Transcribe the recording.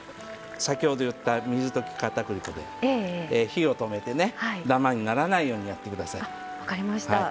先ほど言った水溶きかたくり粉で火を止めてダマにならないようにやってください。